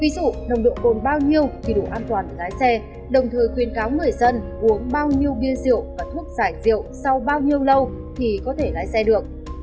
cồn bao nhiêu thì đủ an toàn để lái xe đồng thời khuyên cáo người dân uống bao nhiêu bia rượu và thuốc giải rượu sau bao nhiêu lâu thì có thể lái xe được